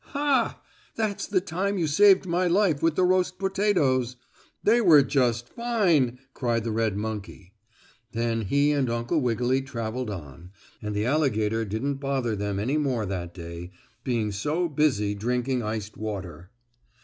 "Ha! That's the time you saved my life with the roast potatoes. They were just fine!" cried the red monkey. Then he and Uncle Wiggily traveled on, and the alligator didn't bother them any more that day, being so busy drinking iced water.